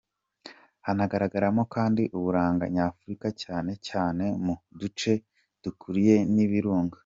Hanagaragaramo kandi uburanga nyafurika cyane cyane mu duce duturiwe n’ibirunga.